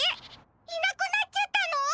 いなくなっちゃったの！？